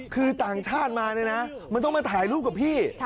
คือต่างชาติมาเนี่ยนะมันต้องมาถ่ายรูปกับพี่